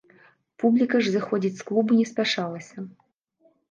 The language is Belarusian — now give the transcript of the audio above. Публіка ж сыходзіць з клубу не спяшалася.